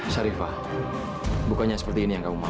syarifah bukannya seperti ini yang kamu mau